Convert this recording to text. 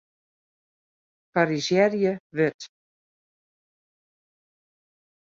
Korrizjearje wurd.